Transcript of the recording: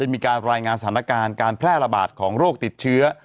มีการรายงานสถานการณ์การแพร่ระบาดของโรคติดเชื้อ